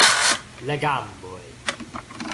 La gamboj.